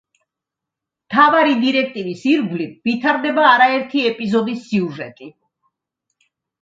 მთავარი დირექტივის ირგვლივ ვითარდება არაერთი ეპიზოდის სიუჟეტი.